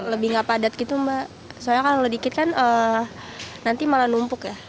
lebih nggak padat gitu mbak soalnya kalau dikit kan nanti malah numpuk ya